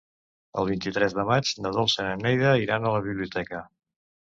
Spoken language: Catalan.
El vint-i-tres de maig na Dolça i na Neida iran a la biblioteca.